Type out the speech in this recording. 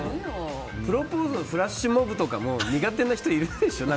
プロポーズのフラッシュモブとかも苦手な人、いるでしょ。